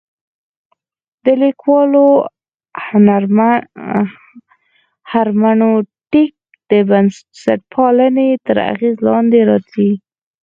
د لیکوال هرمنوتیک د بنسټپالنې تر اغېز لاندې راځي.